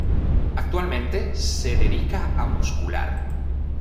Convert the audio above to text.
Actualmente se dedica a muscular.